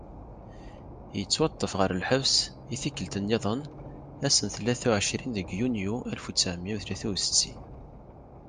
Yettwaṭṭef ɣer lḥebs i tikkelt-nniden ass n tlata u εecrin deg yunyu alef u tesεemya u tlata u settin.